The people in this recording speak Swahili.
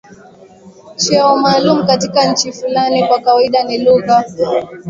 cheo maalumu katika nchi fulani Kwa kawaida ni lugha